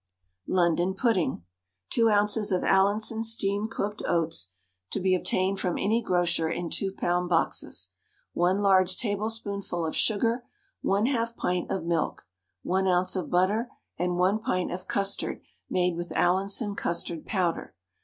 LONDON PUDDING. 2 oz. of Allinson steam cooked oats (to be obtained from any grocer in 2 lb. boxes), 1 large tablespoonful of sugar, 1/2 pint of milk, 1 oz. of butter and 1 pint of custard made with Allinson custard powder.